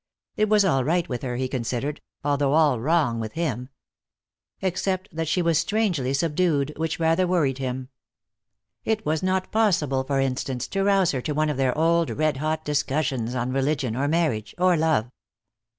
It was all right with her, he considered, although all wrong with him. Except that she was strangely subdued, which rather worried him. It was not possible, for instance, to rouse her to one of their old red hot discussions on religion, or marriage, or love.